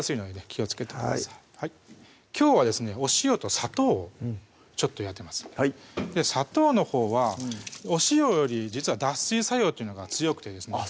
気をつけてくださいきょうはですねお塩と砂糖をちょっとやってます砂糖のほうはお塩より実は脱水作用っていうのが強くてですね